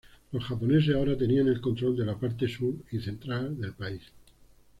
Los japoneses ahora tenían el control de la parte sur y central del país.